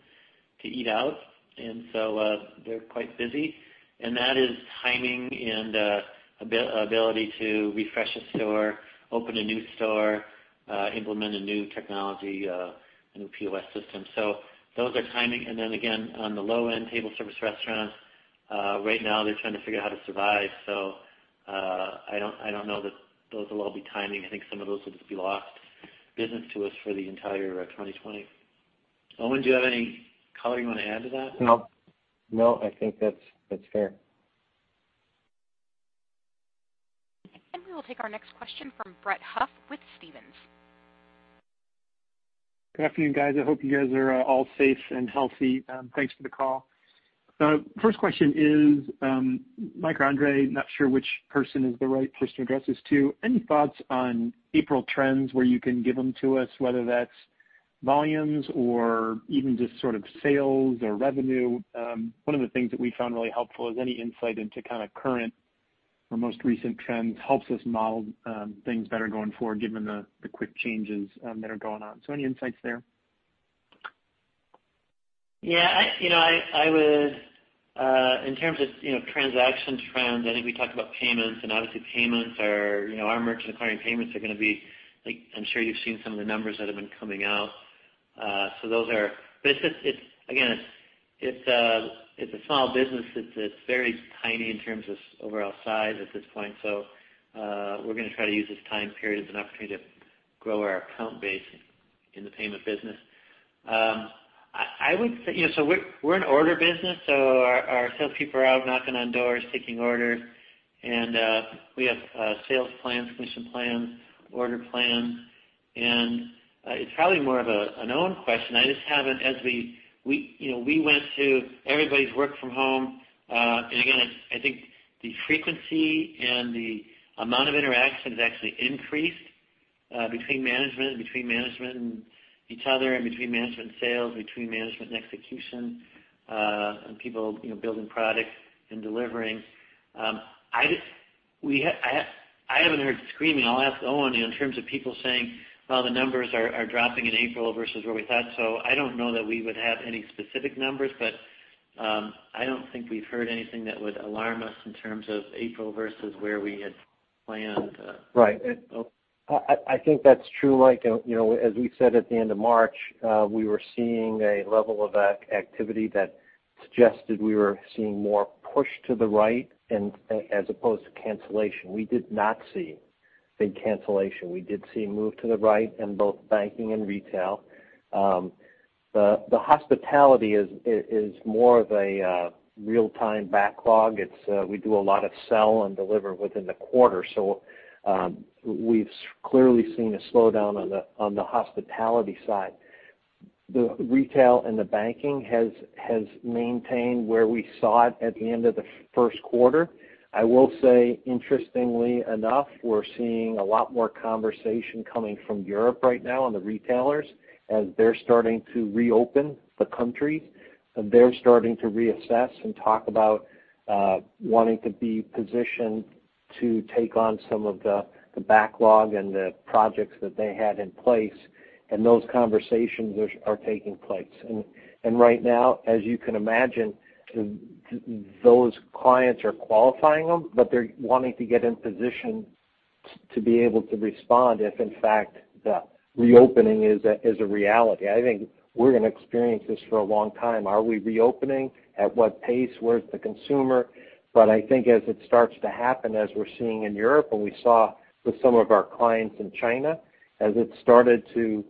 to eat out. They're quite busy. That is timing and ability to refresh a store, open a new store, implement a new technology, a new POS system. Those are timing. Again, on the low end, table service restaurants, right now they're trying to figure out how to survive. I don't know that those will all be timing. I think some of those will just be lost business to us for the entire 2020. Owen, do you have any color you want to add to that? No. I think that's fair. We will take our next question from Brett Huff with Stephens. Good afternoon, guys. I hope you guys are all safe and healthy. Thanks for the call. First question is, Mike or Andre, not sure which person is the right person to address this to. Any thoughts on April trends where you can give them to us, whether that's volumes or even just sort of sales or revenue? One of the things that we found really helpful is any insight into kind of current or most recent trends helps us model things better going forward, given the quick changes that are going on. Any insights there? Yeah. In terms of transaction trends, I think we talked about payments, and obviously our merchant acquiring payments. I'm sure you've seen some of the numbers that have been coming out. It's a small business. It's very tiny in terms of overall size at this point. We're going to try to use this time period as an opportunity to grow our account base in the payment business. We're an order business. Our salespeople are out knocking on doors, taking orders, and we have sales plans, commission plans, order plans. It's probably more of an Owen question. Everybody's worked from home. Again, I think the frequency and the amount of interaction has actually increased between management and each other, and between management and sales, between management and execution, and people building product and delivering. I haven't heard screaming. I'll ask Owen in terms of people saying, "Well, the numbers are dropping in April versus where we thought." I don't know that we would have any specific numbers, but I don't think we've heard anything that would alarm us in terms of April versus where we had planned. Right. I think that's true, Mike. As we said at the end of March, we were seeing a level of activity that suggested we were seeing more push to the right as opposed to cancellation. We did not see big cancellation. We did see a move to the right in both banking and retail. The hospitality is more of a real-time backlog. We do a lot of sell and deliver within the quarter. We've clearly seen a slowdown on the hospitality side. The retail and the banking has maintained where we saw it at the end of the first quarter. I will say, interestingly enough, we're seeing a lot more conversation coming from Europe right now on the retailers as they're starting to reopen the country. They're starting to reassess and talk about wanting to be positioned to take on some of the backlog and the projects that they had in place. Those conversations are taking place. Right now, as you can imagine, those clients are qualifying them, but they're wanting to get in position to be able to respond if, in fact, the reopening is a reality. I think we're going to experience this for a long time. Are we reopening? At what pace? Where's the consumer? I think as it starts to happen, as we're seeing in Europe and we saw with some of our clients in China, as it started to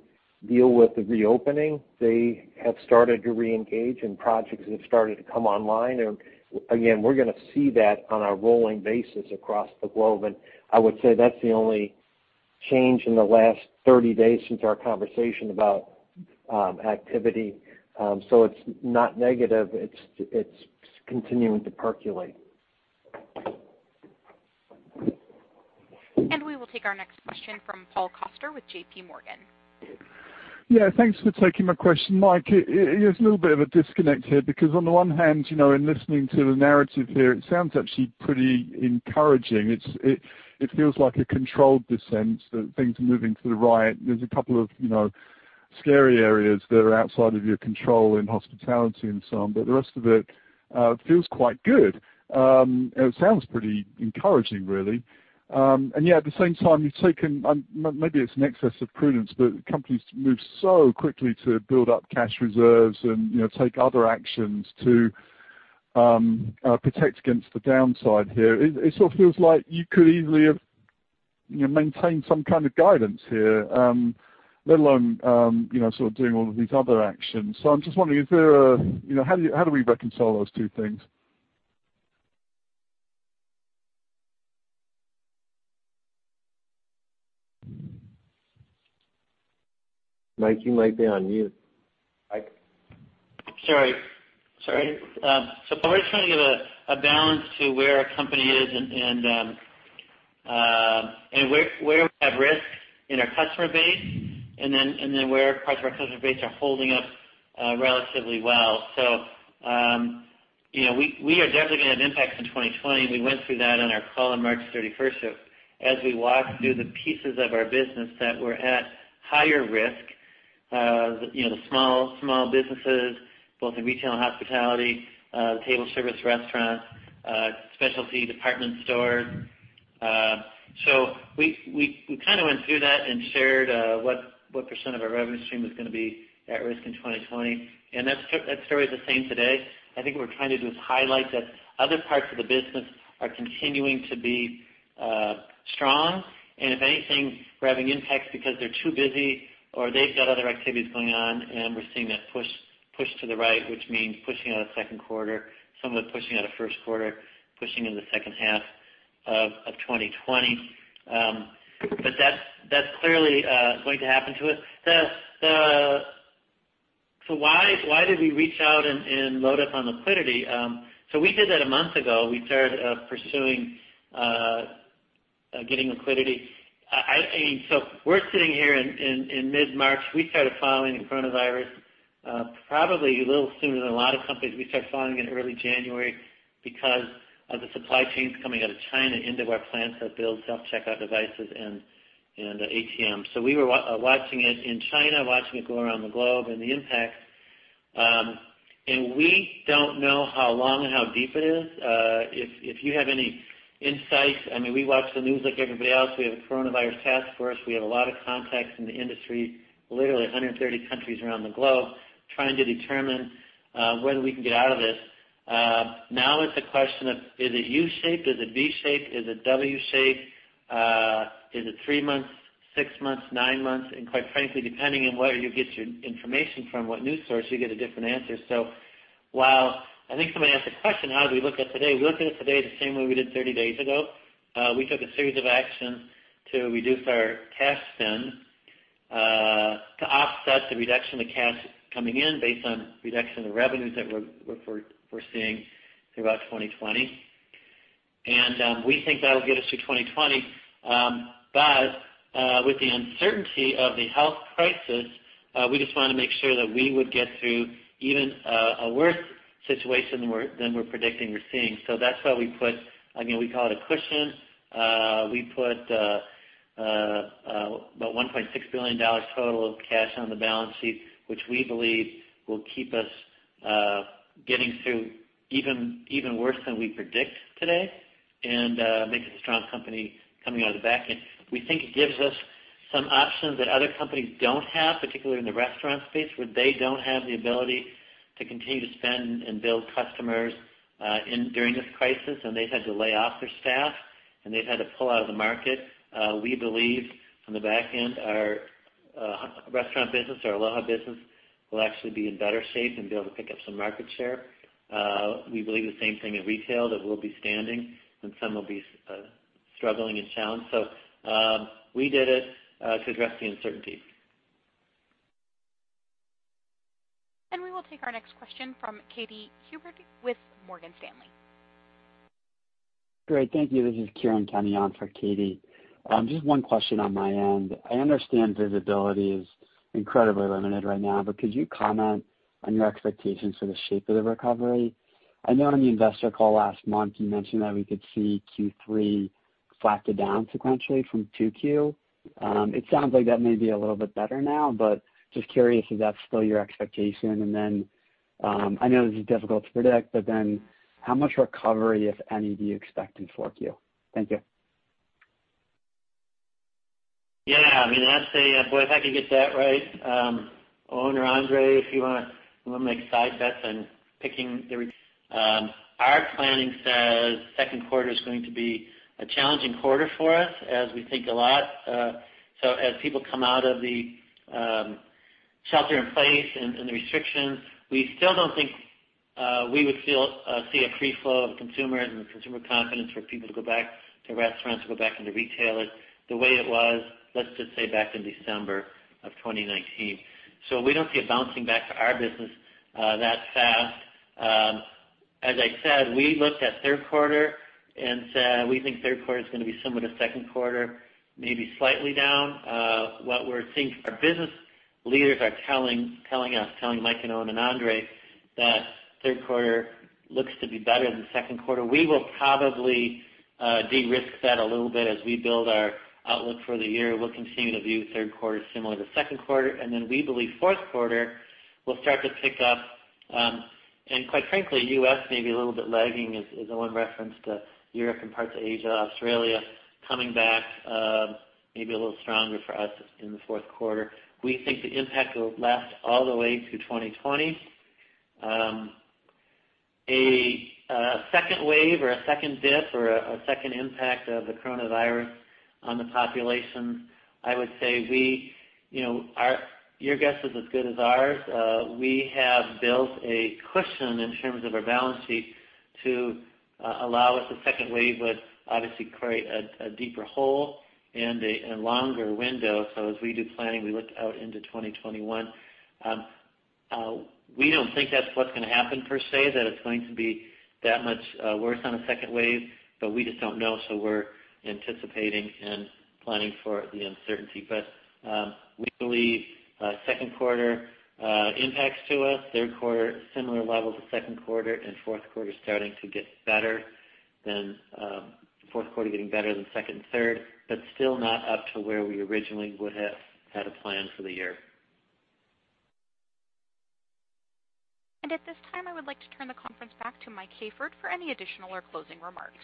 deal with the reopening, they have started to reengage, and projects have started to come online. Again, we're going to see that on a rolling basis across the globe, and I would say that's the only change in the last 30 days since our conversation about activity. It's not negative. It's continuing to percolate. We will take our next question from Paul Coster with JPMorgan. Yeah, thanks for taking my question. Mike, there's a little bit of a disconnect here because on the one hand, in listening to the narrative here, it sounds actually pretty encouraging. It feels like a controlled descent, that things are moving to the right. There's a couple of scary areas that are outside of your control in hospitality and some, but the rest of it feels quite good. It sounds pretty encouraging, really. Yet, at the same time, maybe it's an excess of prudence, but companies move so quickly to build up cash reserves and take other actions to protect against the downside here. It sort of feels like you could easily have maintained some kind of guidance here, let alone doing all of these other actions. I'm just wondering, how do we reconcile those two things? Mike, you might be on mute. Mike? Sorry. Paul, we're just trying to give a balance to where our company is and where we have risk in our customer base, and then where parts of our customer base are holding up relatively well. We are definitely going to have impacts in 2020. We went through that on our call on March 31st as we walked through the pieces of our business that were at higher risk. The small businesses, both in retail and hospitality, the table service restaurants, specialty department stores. We kind of went through that and shared what % of our revenue stream was going to be at risk in 2020, and that story is the same today. I think what we're trying to do is highlight that other parts of the business are continuing to be strong, and if anything, we're having impacts because they're too busy or they've got other activities going on and we're seeing that push to the right, which means pushing out of second quarter. Some of it pushing out of first quarter, pushing into the second half of 2020. That's clearly going to happen to us. Why did we reach out and load up on liquidity? We did that a month ago. We started pursuing getting liquidity. We're sitting here in mid-March. We started following the coronavirus probably a little sooner than a lot of companies. We started following it in early January because of the supply chains coming out of China into our plants that build self-checkout devices and ATMs. We were watching it in China, watching it go around the globe and the impacts. We don't know how long and how deep it is. If you have any insights, we watch the news like everybody else. We have a coronavirus task force. We have a lot of contacts in the industry, literally 130 countries around the globe, trying to determine when we can get out of this. It's a question of, is it U-shaped? Is it V-shaped? Is it W-shaped? Is it three months, six months, nine months? Quite frankly, depending on where you get your information from, what news source, you get a different answer. Well, I think somebody asked the question, how do we look at today? We look at today the same way we did 30 days ago. We took a series of actions to reduce our cash spend to offset the reduction of cash coming in based on reduction of revenues that we're seeing throughout 2020. We think that'll get us through 2020. With the uncertainty of the health crisis, we just want to make sure that we would get through even a worse situation than we're predicting we're seeing. That's why we call it a cushion. We put about $1.6 billion total of cash on the balance sheet, which we believe will keep us getting through even worse than we predict today and makes us a strong company coming out of the back end. We think it gives us some options that other companies don't have, particularly in the restaurant space, where they don't have the ability to continue to spend and build customers during this crisis, and they've had to lay off their staff, and they've had to pull out of the market. We believe on the back end, our restaurant business, our Aloha business, will actually be in better shape and be able to pick up some market share. We believe the same thing in retail, that we'll be standing when some will be struggling and challenged. We did it to address the uncertainty. We will take our next question from Katy Huberty with Morgan Stanley. Great. Thank you. This is Kieran coming on for Katy. Just one question on my end. I understand visibility is incredibly limited right now, but could you comment on your expectations for the shape of the recovery? I know on the investor call last month, you mentioned that we could see Q3 flat to down sequentially from 2Q. It sounds like that may be a little bit better now, but just curious if that's still your expectation. I know this is difficult to predict, but then how much recovery, if any, do you expect in 4Q? Thank you. Yeah. Boy, if I could get that right. Owen or Andre, if you want to make side bets on picking the Our planning says second quarter is going to be a challenging quarter for us as we think a lot. As people come out of the shelter in place and the restrictions, we still don't think we would see a free flow of consumers and consumer confidence for people to go back to restaurants, to go back into retailers, the way it was, let's just say, back in December of 2019. We don't see it bouncing back for our business that fast. As I said, we looked at third quarter and said we think third quarter is going to be similar to second quarter, maybe slightly down. What we're seeing our business leaders are telling us, telling Michael and Owen and Andre, that third quarter looks to be better than second quarter. We will probably de-risk that a little bit as we build our outlook for the year. We believe fourth quarter will start to pick up. Quite frankly, U.S. may be a little bit lagging as Owen referenced Europe and parts of Asia, Australia coming back maybe a little stronger for us in the fourth quarter. We think the impact will last all the way through 2020. A second wave or a second dip or a second impact of the coronavirus on the population, I would say your guess is as good as ours. We have built a cushion in terms of our balance sheet to allow us. A second wave would obviously create a deeper hole and a longer window. As we do planning, we look out into 2021. We don't think that's what's going to happen, per se, that it's going to be that much worse on a second wave, but we just don't know. We're anticipating and planning for the uncertainty. We believe second quarter impacts to us, third quarter similar levels of second quarter, and fourth quarter getting better than second and third, but still not up to where we originally would have had a plan for the year. At this time, I would like to turn the conference back to Mike Hayford for any additional or closing remarks.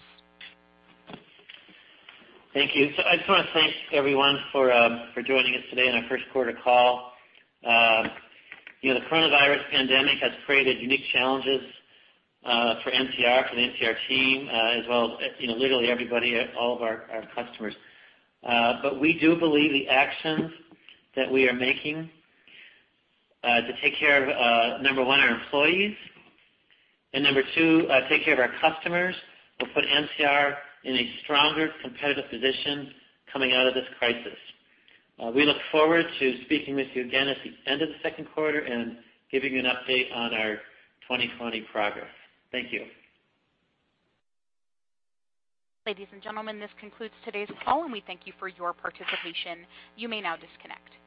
Thank you. I just want to thank everyone for joining us today on our first quarter call. The coronavirus pandemic has created unique challenges for NCR, for the NCR team, as well as literally everybody, all of our customers. We do believe the actions that we are making to take care of, number one, our employees, and number two, take care of our customers, will put NCR in a stronger competitive position coming out of this crisis. We look forward to speaking with you again at the end of the second quarter and giving you an update on our 2020 progress. Thank you. Ladies and gentlemen, this concludes today's call, and we thank you for your participation. You may now disconnect.